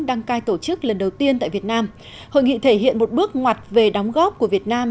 đăng cai tổ chức lần đầu tiên tại việt nam hội nghị thể hiện một bước ngoặt về đóng góp của việt nam